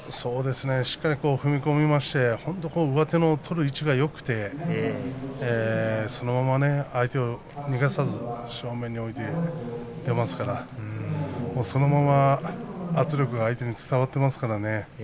しっかり踏み込んで本当に上手を取る位置がよくてそのまま相手を逃がさず正面に置いて出ますからもう、そのまま圧力が相手に伝わっていますからね。